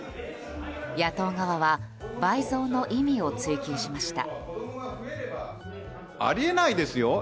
野党側は倍増の意味を追及しました。